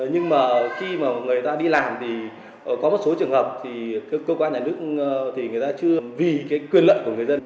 nhưng mà khi mà người ta đi làm thì có một số trường hợp thì cơ quan nhà nước thì người ta chưa vì cái quyền lợi của người dân